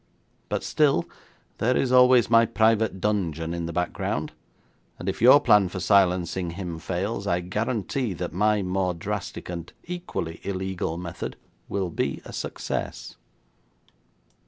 But still, there is always my private dungeon in the background, and if your plan for silencing him fails, I guarantee that my more drastic and equally illegal method will be a success.'